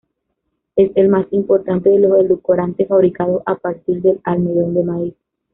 Es el más importante de los edulcorantes fabricados a partir del almidón de maíz.